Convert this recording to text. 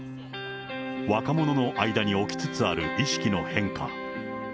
若者の間に起きつつある意識の変化。